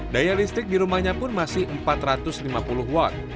daya listrik di rumahnya pun masih empat ratus lima puluh watt